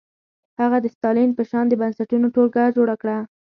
هغه د ستالین په شان د بنسټونو ټولګه جوړه کړه.